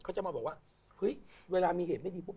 เขาจะมาบอกว่าเฮ้ยเวลามีเหตุไม่ดีปุ๊